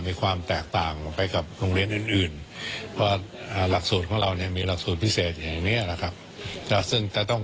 มีความแตกต่างไปกับโรงเรียนอื่น